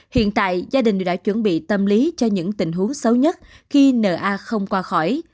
hiện tại gia đình đã chuẩn bị tâm lý cho những tình huống xấu nhất khi na không qua khỏi